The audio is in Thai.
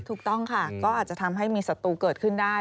ถูกต้องค่ะก็อาจจะทำให้มีศัตรูเกิดขึ้นได้